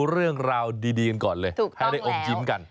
เรื่องราวดีกันก่อนเลยให้ได้อมยิ้มกัน